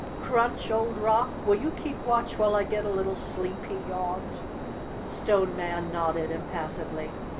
" Crunch, old rock, will you keep watch while I get a little sleep?" he yawned. The Stone Man nodded impassively.